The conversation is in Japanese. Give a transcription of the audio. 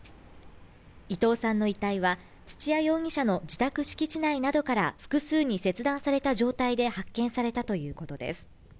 伊藤さんの遺体は土屋容疑者の自宅敷地内などから複数に切断された状態で発見されたということです。